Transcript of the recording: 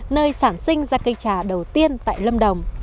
nơi sản sinh ra cây trà đầu tiên tại lâm đồng